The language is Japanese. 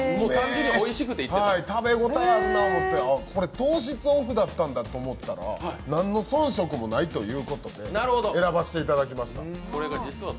食べ応えあるなと思って、これ糖質オフだったんだと思ったら何の遜色もないということで選ばせていただきました。